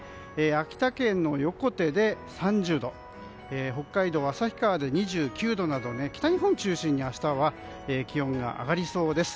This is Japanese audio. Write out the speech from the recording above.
秋田県の横手で３０度北海道旭川で２９度など北日本中心に明日は気温が上がりそうです。